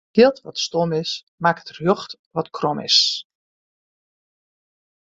Jild dat stom is, makket rjocht wat krom is.